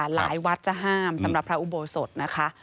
หลายวัดจะห้ามสำหรับพระอุโบสถนะคะ